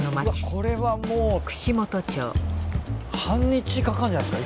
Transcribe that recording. これはもう半日かかるんじゃないですか？